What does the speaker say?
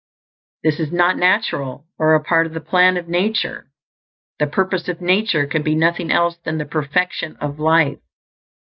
This is not natural, or a part of the plan of nature. The purpose of nature can be nothing else than the perfection of life.